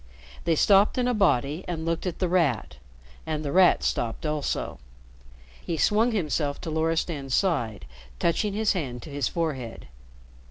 They stopped in a body and looked at The Rat, and The Rat stopped also. He swung himself to Loristan's side, touching his hand to his forehead.